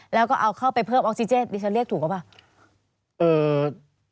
แล้วก็เอาเข้าไปเพิ่มออกซิเจนดิฉันเรียกถูกหรือเปล่า